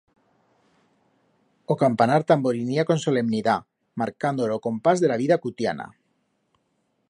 O campanar tamborinía con solemnidat, marcando ro compás de ra vida cutiana.